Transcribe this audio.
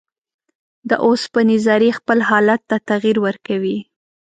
د اوسپنې ذرې خپل حالت ته تغیر ورکوي.